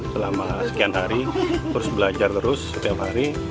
selama sekian hari terus belajar terus setiap hari